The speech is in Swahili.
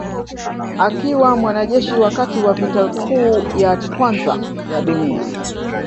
Akiwa mwanajeshi wakati wa vita kuu ya kwanza ya dunia